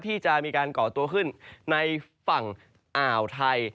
ที่จะมีการก่อตัวขึ้นในฝั่งอ่าวไทย